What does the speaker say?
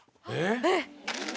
えっ？